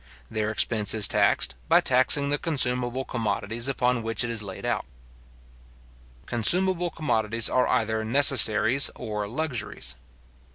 Their expense is taxed, by taxing the consumable commodities upon which it is laid out. Consumable commodities are either necessaries or luxuries.